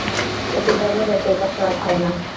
এটি ব্যবহারে ডেটা খরচ হয় না।